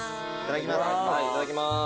いただきます。